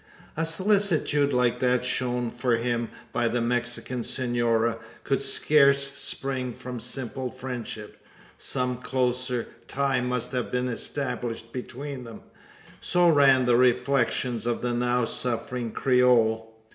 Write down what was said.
A solicitude like that shown for him by the Mexican senora, could scarce spring from simple friendship? Some closer tie must have been established between them? So ran the reflections of the now suffering Creole.